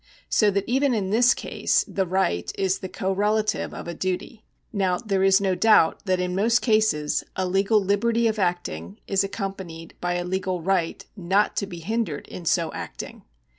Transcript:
So that even in this case the right is the correlative of a duty. Now there is no doubt that in most cases a legal liberty of acting is accompanied by a legal right not to be hindered in so acting.